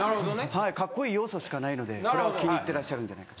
はいカッコいい要素しかないのでこれは気に入ってらっしゃるんじゃないかと。